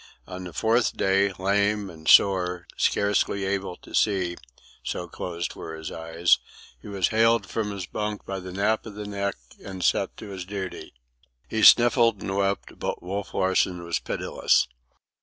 On the fourth day, lame and sore, scarcely able to see, so closed were his eyes, he was haled from his bunk by the nape of the neck and set to his duty. He sniffled and wept, but Wolf Larsen was pitiless.